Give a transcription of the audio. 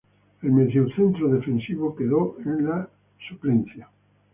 El mediocentro defensivo quedó en la suplencia.